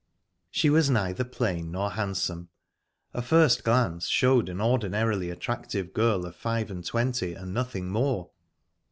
She was neither plain nor handsome; a first glance showed an ordinarily attractive girl of five and twenty, and nothing more.